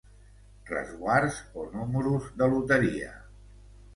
Resguards o números de loteria.